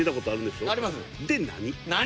で何？